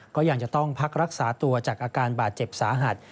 ก็ยังจะต้องพักรักษาตัวจากอาการบาดเจ็บสาหัส